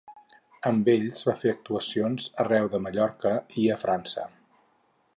Amb ells va fer actuacions arreu de Mallorca i a França.